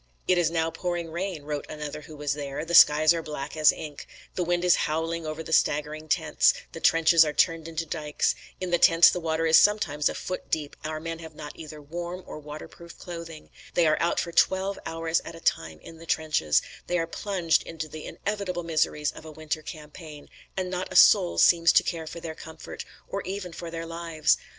"It is now pouring rain," wrote another who was there, "the skies are black as ink the wind is howling over the staggering tents the trenches are turned into dykes in the tents the water is sometimes a foot deep our men have not either warm or waterproof clothing they are out for twelve hours at a time in the trenches they are plunged into the inevitable miseries of a winter campaign and not a soul seems to care for their comfort, or even for their lives.